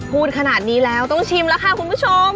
พูดขนาดนี้แล้วต้องชิมแล้วค่ะคุณผู้ชม